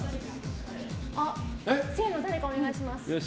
せーの、誰かお願いします。